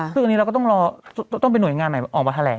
ซึ่งอันนี้เราก็ต้องรอต้องเป็นหน่วยงานไหนออกมาแถลง